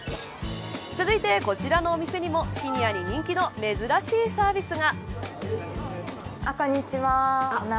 続いて、こちらのお店にもシニアに人気の珍しいサービスが。